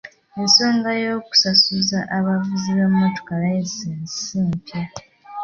Ensonga y'okusasuza abavuzi b'emmotoka layisinsi ssi mpya.